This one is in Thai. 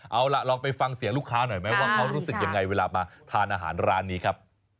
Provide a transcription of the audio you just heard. เอาล่ะลองไปฟังเสียงลูกค้าหน่อยไหมว่าเขารู้สึกยังไงเวลามาทานอาหารร้านนี้ครับ